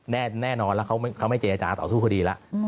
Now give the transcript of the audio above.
แน่นอนแล้วเขาไม่เจรจาต่อสู้คดีแล้ว